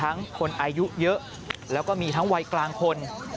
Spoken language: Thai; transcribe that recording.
คนอายุเยอะแล้วก็มีทั้งวัยกลางคน